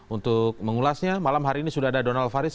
untuk mengulasnya malam hari ini sudah ada donald faris